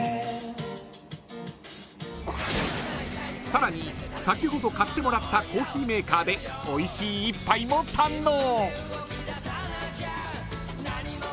［さらに先ほど買ってもらったコーヒーメーカーでおいしい一杯も堪能］